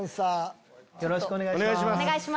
よろしくお願いします。